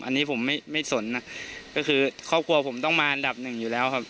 อันนี้ผมไม่ไม่สนนะก็คือครอบครัวผมต้องมาอันดับหนึ่งอยู่แล้วครับ